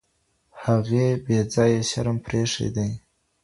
هغې بېځايه شرم پرېښی دی.